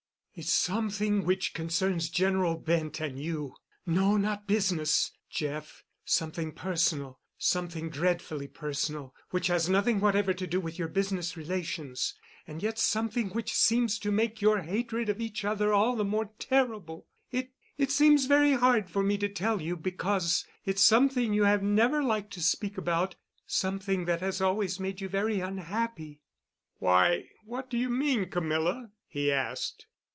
"It's something which concerns General Bent and you—no, not business, Jeff—something personal—something dreadfully personal—which has nothing whatever to do with your business relations, and yet something which seems to make your hatred of each other all the more terrible. It—it seems very hard for me to tell you, because it's something you have never liked to speak about—something that has always made you very unhappy." "Why, what do you mean, Camilla?" he asked.